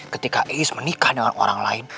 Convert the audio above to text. ketika ais menikah dengan orang lain